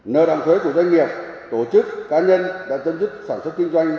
nợ động thuế của doanh nghiệp tổ chức cá nhân đã chấm dứt sản xuất kinh doanh